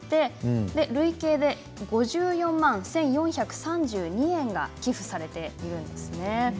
累計で５４万１４３２円が寄付されています。